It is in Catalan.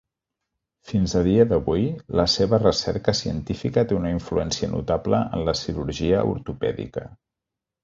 Fins a dia d'avui, la seva recerca científica té una influència notable en la cirurgia ortopèdica.